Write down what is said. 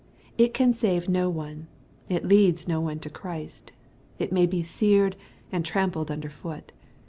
It can save no one. It leads no one to Christ. It may be seared and trampled under foot.